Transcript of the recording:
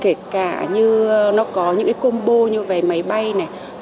kể cả như nó có những cái combo như về máy bay này